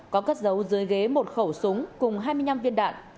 có cất dấu dưới ghế một khẩu súng cùng hai mươi năm viên đạn